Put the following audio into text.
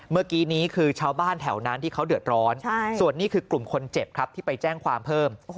เมื่อกี้นี้คือชาวบ้านแถวนั้นที่เขาเดือดร้อนส่วนนี้คือกลุ่มคนเจ็บครับที่ไปแจ้งความเพิ่ม